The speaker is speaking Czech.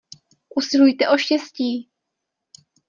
Usilujte o štěstí.